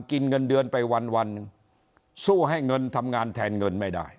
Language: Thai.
เงินเดือนไปวันหนึ่งสู้ให้เงินทำงานแทนเงินไม่ได้